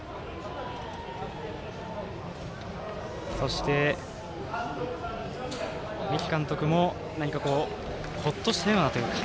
そして、三木監督も何かほっとしたようなというか。